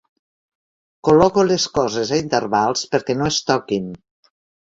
Col·loco les coses a intervals perquè no es toquin.